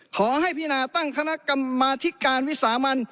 ขอให้พินาตั้งคณะกรรมาธิการวิสามัน